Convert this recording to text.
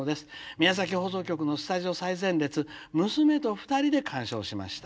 宮崎放送局のスタジオ最前列娘と２人で観賞しました。